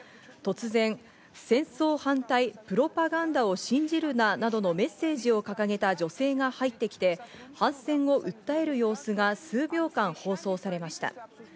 突然、「戦争反対、プロパガンダを信じるな」などのメッセージを掲げた女性が入ってきて、反戦を訴える様子が数秒間放送されました。